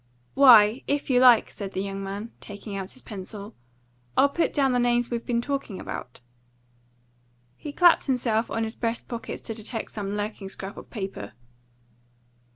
"Why, if you like," said the young man, taking out his pencil, "I'll put down the names we've been talking about." He clapped himself on his breast pockets to detect some lurking scrap of paper.